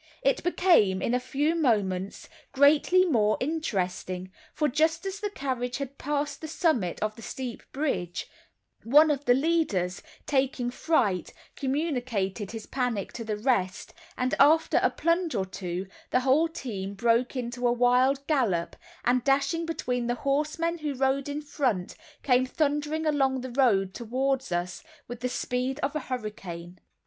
It became, in a few moments, greatly more interesting, for just as the carriage had passed the summit of the steep bridge, one of the leaders, taking fright, communicated his panic to the rest, and after a plunge or two, the whole team broke into a wild gallop together, and dashing between the horsemen who rode in front, came thundering along the road towards us with the speed of a hurricane.